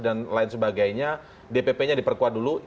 dan lain sebagainya dpp nya diperkuat dulu